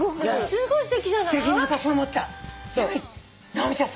直美ちゃん